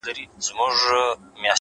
پوه انسان د ناپوهۍ له منلو نه شرمیږي,